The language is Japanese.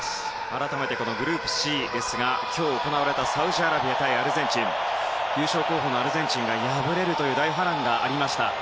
改めてグループＣですが今日行われたサウジアラビア対アルゼンチンで優勝候補のアルゼンチンが敗れる大波乱がありました。